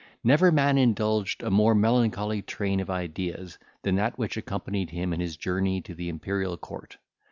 Never man indulged a more melancholy train of ideas than that which accompanied him in his journey to the Imperial court.